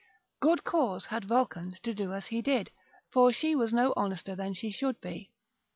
Good cause had Vulcan to do as he did, for she was no honester than she should be.